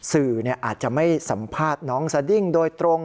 สื่ออาจจะไม่สัมภาษณ์น้องสดิ้งโดยตรง